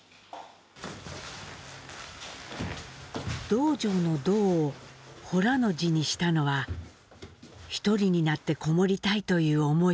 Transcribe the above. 「洞場」の「洞」を「洞」の字にしたのは１人になって籠もりたいという思いから。